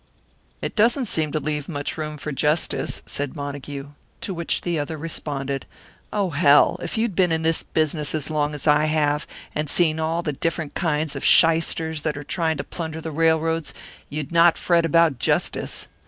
"It doesn't seem to leave much room for justice," said Montague. To which the other responded, "Oh, hell! If you'd been in this business as long as I have, and seen all the different kinds of shysters that are trying to plunder the railroads, you'd not fret about justice.